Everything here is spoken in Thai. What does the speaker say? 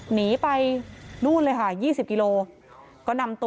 หนีไปนู่นเลยค่ะ๒๐กิโล